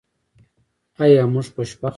آیا موږ خوشبخته یو؟